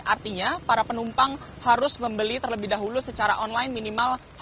artinya para penumpang harus membeli terlebih dahulu secara online minimal